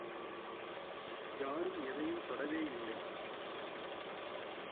யாரும் எதையும் தொடவேயில்லை.